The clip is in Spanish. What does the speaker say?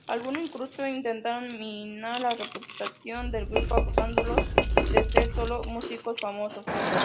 Algunos incluso intentaron minar la reputación del grupo, acusándolos de ser solo músicos famosos.